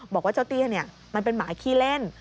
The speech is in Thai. บอกว่าเจ้าเตี้ยมันเป็นหมาขี้เล่น